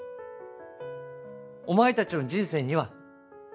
お前達の人生には